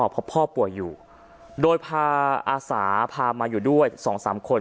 เพราะพ่อป่วยอยู่โดยพาอาสาพามาอยู่ด้วย๒๓คน